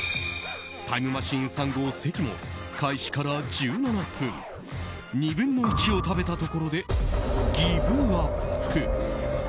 タイムマシーン３号、関も開始から１７分２分の１を食べたところでギブアップ。